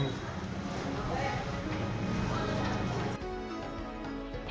kambing guling ini terasa sangat lembut setelah masuk ke dalam menu